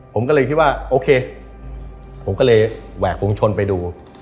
ผมก็เลยคิดว่าโอเคผมก็เลยแหวกฝุงชนไปดู